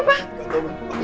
gak tau mbak